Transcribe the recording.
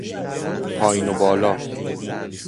پایین و بالا